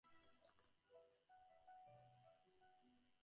Arthur Brand was also a Liberal politician.